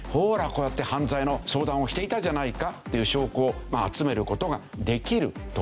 こうやって犯罪の相談をしていたじゃないかっていう証拠を集める事ができるというわけですね。